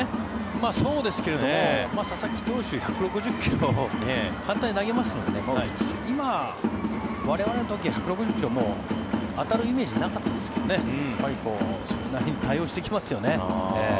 そうですけども佐々木投手、１６０ｋｍを簡単に投げますので今、我々の時は１６０ｋｍもう当たるイメージがなかったですけどそれなりに対応してきますよね。